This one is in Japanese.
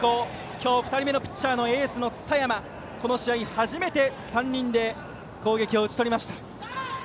今日２人目のピッチャーエースの佐山この試合、初めて３人で攻撃を打ち取りました。